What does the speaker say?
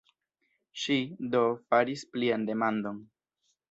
Ŝi, do, faris plian demandon.